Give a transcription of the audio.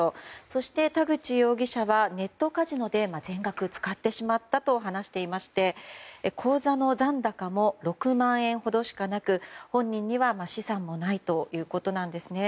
そして田口容疑者はネットカジノで全額使ってしまったと話していまして口座の残高も６万円ほどしかなく本人には資産もないということなんです。